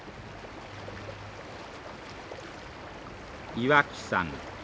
岩木山。